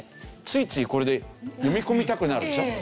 ついついこれで読み込みたくなるでしょ？